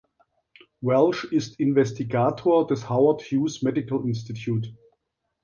Welsh ist Investigator des Howard Hughes Medical Institute.